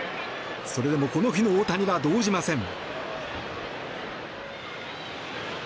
それでもこの日の大谷は動じません。